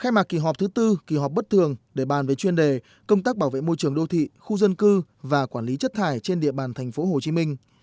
mà kỳ họp thứ tư kỳ họp bất thường để bàn về chuyên đề công tác bảo vệ môi trường đô thị khu dân cư và quản lý chất thải trên địa bàn thành phố hồ chí minh